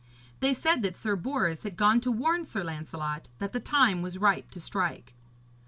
They said that Sir Bors had gone to warn Sir Lancelot that the time was ripe to strike.